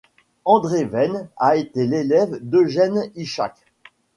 André Vène a été l'élève d'Eugène Ichac.